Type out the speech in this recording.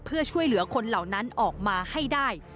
เพื่อช่วยเหลือคนเหล่านั้นออกมาให้ได้